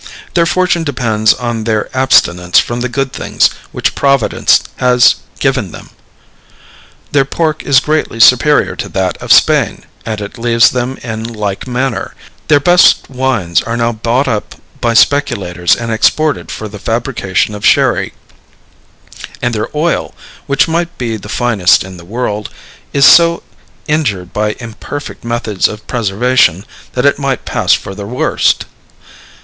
Their fortune depends on their abstinence from the good things which Providence has given them. Their pork is greatly superior to that of Spain, and it leaves them in like manner; their best wines are now bought up by speculators and exported for the fabrication of sherry; and their oil, which might be the finest in the world, is so injured by imperfect methods of preservation that it might pass for the worst.